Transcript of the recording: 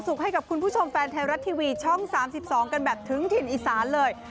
ทางไทยรัฐทีวีช่อง๓๒กันแบบถึงถิ่นอีสานเลย